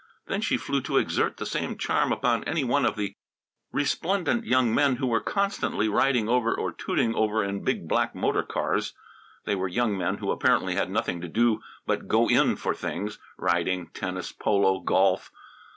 Then she flew to exert the same charm upon any one of the resplendent young men who were constantly riding over or tooting over in big black motor cars. They were young men who apparently had nothing to do but "go in" for things riding, tennis, polo, golf.